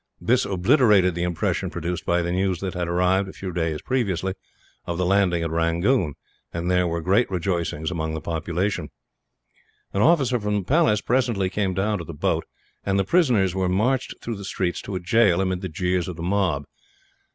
This obliterated the impression produced by the news that had arrived, a few days previously, of the landing at Rangoon; and there were great rejoicings among the population. An officer from the palace presently came down to the boat, and the prisoners were marched through the streets to a jail, amid the jeers of the mob.